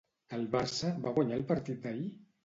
El Barça va guanyar el partit d'ahir?